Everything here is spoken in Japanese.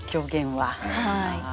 はい。